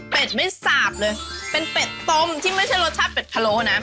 ไม่สาบเลยเป็นเป็ดต้มที่ไม่ใช่รสชาติเป็ดพะโล้นะ